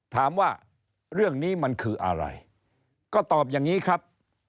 ถามว่าเรื่องนี้มันคืออะไรก็ตอบอย่างนี้ครับ